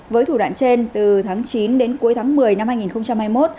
với thủ đoạn trên từ tháng chín đến cuối tháng một mươi năm hai nghìn hai mươi một